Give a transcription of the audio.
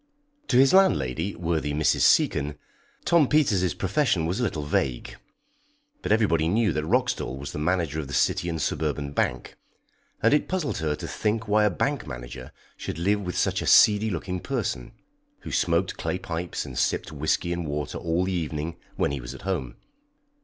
To his landlady, worthy Mrs. Seacon, Tom Peters's profession was a little vague, but everybody knew that Roxdal was the manager of the City and Suburban Bank, and it puzzled her to think why a bank manager should live with such a seedy looking person, who smoked clay pipes and sipped whisky and water all the evening when he was at home.